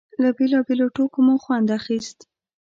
له بېلابېلو ټوکو مو خوند اخيست.